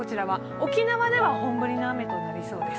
沖縄では本降りの雨となりそうです。